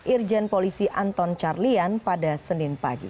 irjen polisi anton carlian pada senin pagi